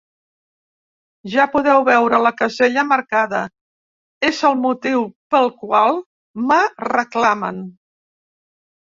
Ja podeu veure la casella marcada, és el motiu pel qual me reclamen.